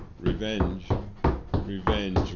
Revenge! Revenge!